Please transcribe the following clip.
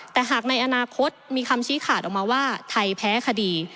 แต่หากในอนาคตมีคำชี้ขาดออกมาว่าไทยแพ้คดี